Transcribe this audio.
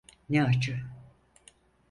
Ne acı.